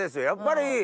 やっぱり。